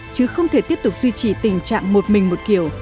chứ không thể tiếp tục duy trì tình trạng một mình một kiểu